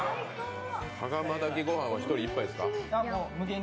羽釜炊きご飯は１人１杯ですか？